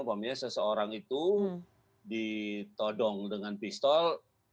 umpamanya seseorang itu ditodong dengan pistol